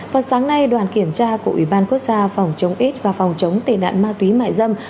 vào sáng nay đoàn kiểm tra của ủy ban quốc gia phòng chống ít và phòng chống tệ nạn ma túy mại dâm